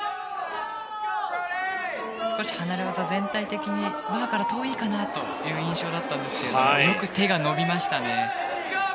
少し離れ技が全体的にバーから遠いかなという印象だったんですけどよく手が伸びましたね。